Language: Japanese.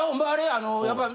あのやっぱり。